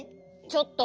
ちょっと！